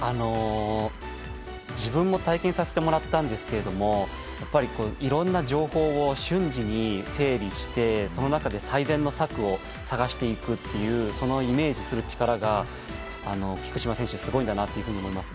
自分も体験させてもらったんですがいろいろな情報を瞬時に整理してその中で最善の策を探していくっていうイメージする力が、菊島選手はすごいんだなと感じます。